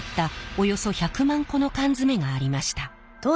およそ１００万個の缶詰がありました。